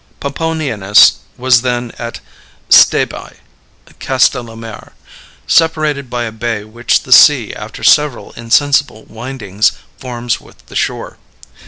Pomponianus was then at Stabiæ (Castellamare), separated by a bay which the sea, after several insensible windings, forms with the shore.